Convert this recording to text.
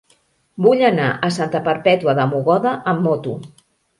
Vull anar a Santa Perpètua de Mogoda amb moto.